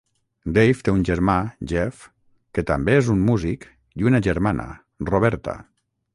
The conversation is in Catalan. Dave té un germà, Jeff, que també és un músic, i una germana, Roberta.